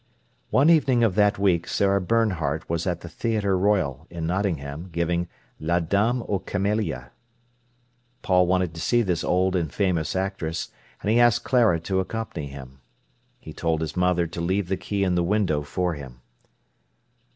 One evening of that week Sarah Bernhardt was at the Theatre Royal in Nottingham, giving "La Dame aux Camélias". Paul wanted to see this old and famous actress, and he asked Clara to accompany him. He told his mother to leave the key in the window for him.